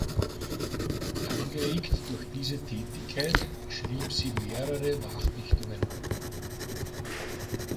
Angeregt durch diese Tätigkeit schrieb sie mehrere Nachdichtungen.